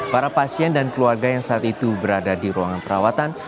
para pasien dan keluarga yang saat itu berada di ruangan perawatan